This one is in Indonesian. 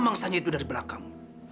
bangsanya itu dari belakang